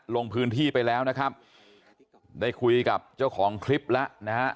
ลงพื้นที่ไปแล้วนะครับได้คุยกับเจ้าของคลิปแล้วนะฮะ